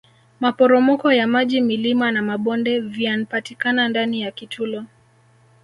maporomoko ya maji milima na mabonde vianpatikana ndani ya kitulo